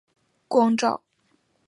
光照治疗为光源的治疗方式。